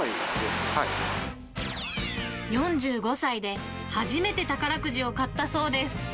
４５歳で初めて宝くじを買ったそうです。